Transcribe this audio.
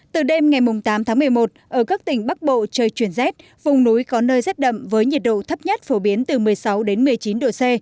từ đêm ngày tám tháng một mươi một ở các tỉnh bắc bộ trời chuyển rét vùng núi có nơi rét đậm với nhiệt độ thấp nhất phổ biến từ một mươi sáu đến một mươi chín độ c